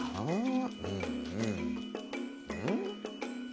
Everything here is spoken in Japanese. うん？